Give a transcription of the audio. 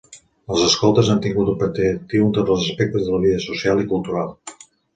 Els escoltes han tingut un paper actiu en tots els aspectes de la vida social i cultural.